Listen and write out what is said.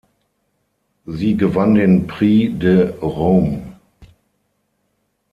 Sie gewann den Prix de Rome.